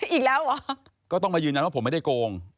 อีกแล้วเหรอก็ต้องมายืนยันว่าผมไม่ได้โกง